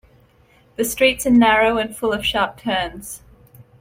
The streets are narrow and full of sharp turns.